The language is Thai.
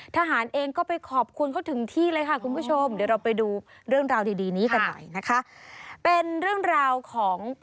แล้วก็ไม่ใช่แค่นั้น